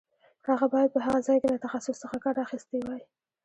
هغه باید په هغه ځای کې له تخصص څخه کار اخیستی وای.